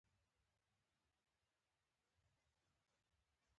پلار د کور نظم ساتي.